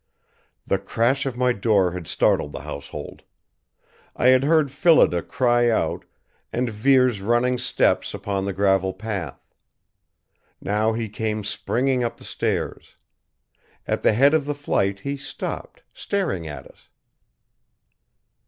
The crash of my door had startled the household. I had heard Phillida cry out, and Vere's running steps upon the gravel path. Now he came springing up the stairs. At the head of the flight he stopped, staring at us.